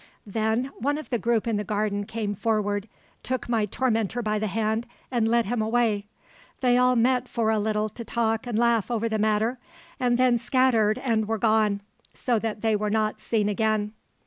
"Then one of the group in the garden came forward, took my tormentor by the hand and led him away. They all met for a little to talk and laugh over the matter, and then scattered and were gone, so that they were not seen again.